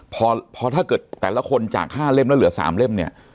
พอถ้าเกิดแต่ละคนจาก๕เล่มแล้วเหลือ๓เล่มเนี่ย